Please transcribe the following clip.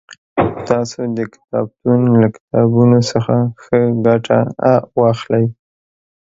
تاسو د کتابتون له کتابونو څخه ښه ګټه واخلئ